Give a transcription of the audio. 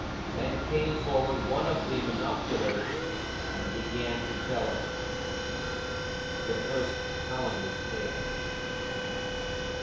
Then came forward one of the Monoculars and began to tell her The First Kalandar's Tale.